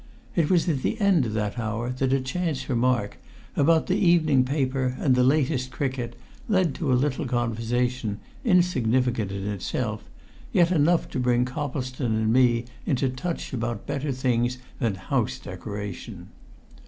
It was at the end of that hour that a chance remark, about the evening paper and the latest cricket, led to a little conversation, insignificant in itself, yet enough to bring Coplestone and me into touch about better things than house decoration.